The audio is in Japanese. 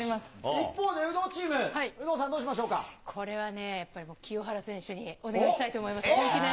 一方で有働チーム、有働さん、これはね、これはもう清原選手にお願いしたいと思います。